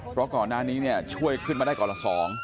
เพราะก่อนหน้านี้เนี่ยช่วยขึ้นมาได้ก่อนละ๒